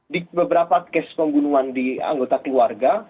di beberapa kes pembunuhan di anggota keluarga